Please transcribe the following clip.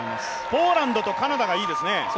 ポーランドとカナダがいいですね。